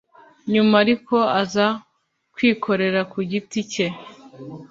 nyuma ariko aza kwikorera ku giti cye